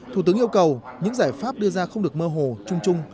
thủ tướng yêu cầu những giải pháp đưa ra không được mơ hồ trung trung